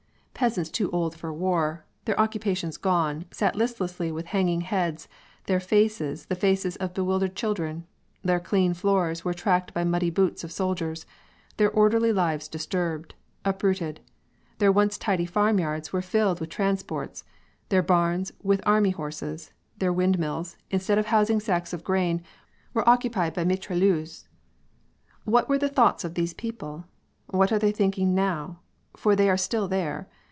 Peasants too old for war, their occupations gone, sat listlessly with hanging hands, their faces the faces of bewildered children; their clean floors were tracked by the muddy boots of soldiers; their orderly lives disturbed, uprooted; their once tidy farmyards were filled with transports; their barns with army horses; their windmills, instead of housing sacks of grain, were occupied by mitrailleuses. What were the thoughts of these people? What are they thinking now? for they are still there.